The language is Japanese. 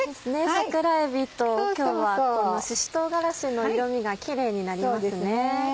桜えびと今日はこのしし唐辛子の色みがキレイになりますね。